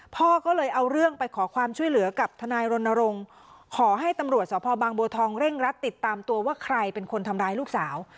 พ่อก็เลยเอาเรื่องไปขอความช่วยเหลือกับทนายรณรงค์ขอให้ตำรวจสพบางบัวทองเร่งรัดติดตามตัวว่าใครเป็นคนทำร้ายลูกสาว